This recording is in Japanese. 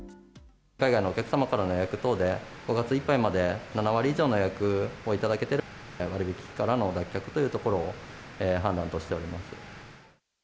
海外のお客様からの予約等で５月いっぱいまで７割以上の予約をいただけていて割引からの脱却というところを判断としております。